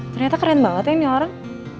ternyata keren banget ya ini orang